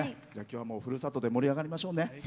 今日はふるさとで盛り上がりましょうね。